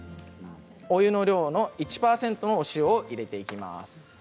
お湯の量の１％のお塩を入れていきます。